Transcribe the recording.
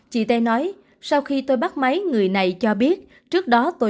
chị tê nói sau khi tôi bắt máy người này cho biết